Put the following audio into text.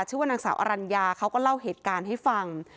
ชื่อว่านางสาวอรัญญาเขาก็เล่าเหตุการณ์ให้ฟัง